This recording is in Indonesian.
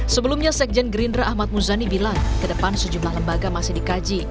sebelumnya sekjen gerindra ahmad muzani bilang ke depan sejumlah lembaga masih dikaji